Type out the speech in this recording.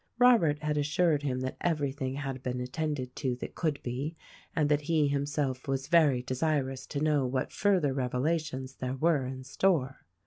Robert had assured him that everything had been attended to that could be and that he himself was very desirous to know what further revelations there were in store.